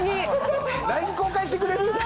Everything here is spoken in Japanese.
ＬＩＮＥ交換してくれる？